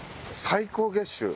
最高月収？